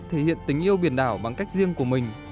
thể hiện tình yêu biển đảo bằng cách riêng của mình